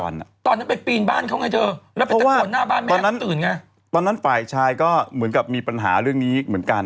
อย่าบอกว่าผมวิเคราะห์สิเดี๋ยวจะถูกด่า